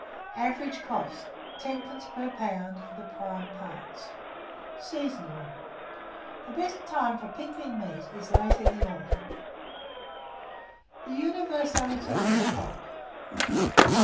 Average cost, 10d. per lb. for the prime parts. Seasonable. The best time for pickling meat is late in the autumn. THE UNIVERSALITY OF THE HOG.